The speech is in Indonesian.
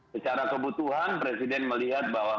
secara kebutuhan presiden melihat bahwa